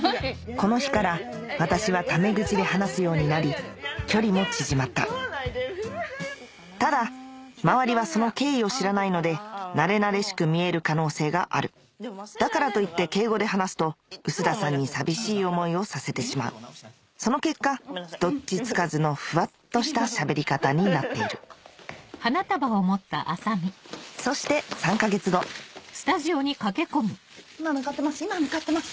この日から私はため口で話すようになり距離も縮まったただ周りはその経緯を知らないのでなれなれしく見える可能性があるだからといって敬語で話すと臼田さんに寂しい思いをさせてしまうその結果どっちつかずのふわっとした喋り方になっているそして３か月後今向かってます